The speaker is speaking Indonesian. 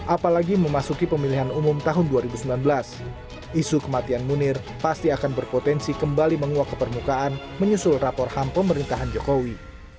apalagi memasuki pemilihan umum tahun dua ribu sembilan belas isu kematian munir pasti akan berpotensi kembali menguak ke permukaan menyusul rapor ham pemerintahan jokowi